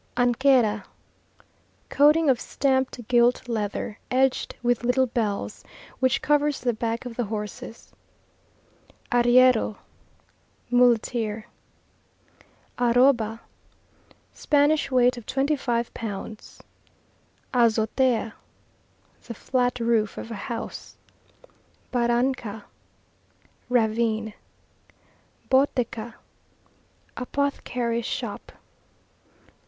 Anquera Coating of stamped gilt leather, edged with little bells, which covers the back of the horses. Arriero Muleteer. Arroba Spanish weight of twenty five pounds. Azotea The flat roof of a house. Barranca Ravine. Botica Apothecary's shop.